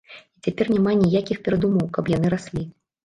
І цяпер няма ніякіх перадумоў, каб яны раслі.